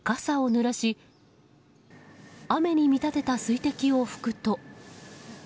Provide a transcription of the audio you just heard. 傘をぬらし雨に見立てた水滴を拭くと。